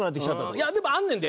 いやでもあんねんで。